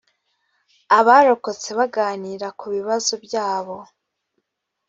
abarokotse baganira ku bibazo byabo.